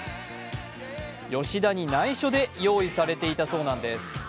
吉田に内緒で用意されていたようなんです。